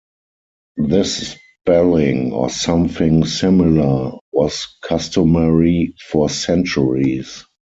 This spelling, or something similar, was customary for centuries.